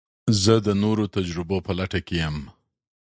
زه د نوو تجربو په لټه کې یم.